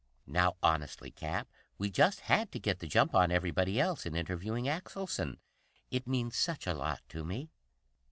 Now, honestly, Cap we just had to get the jump on everybody else in interviewing Axelson. It means such a lot to me."